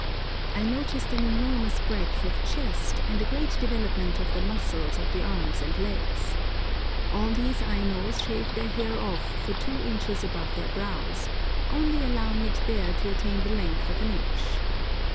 I noticed an enormous breadth of chest, and a great development of the muscles of the arms and legs. All these Ainos shave their hair off for two inches above their brows, only allowing it there to attain the length of an inch.